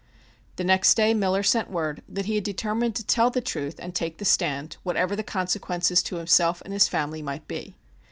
The next day Miller sent word that he had determined to tell the truth and take the stand, whatever the consequences to himself and his family might be.